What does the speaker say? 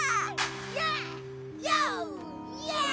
イエイ！